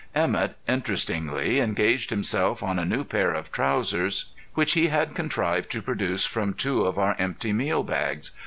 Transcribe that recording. Emett interestingly engaged himself on a new pair of trousers, which he had contrived to produce from two of our empty meal bags.